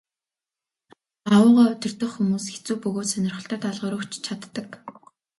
Аугаа удирдах хүмүүс хэцүү бөгөөд сонирхолтой даалгавар өгч чаддаг.